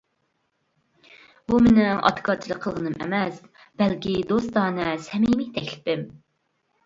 بۇ مېنىڭ ئاتىكارچىلىق قىلغىنىم ئەمەس، بەلكى دوستانە، سەمىمىي تەكلىپىم.